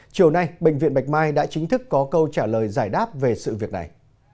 chiều nay bệnh viện bạch mai đã chính thức có câu trả lời giải đáp về sự việc này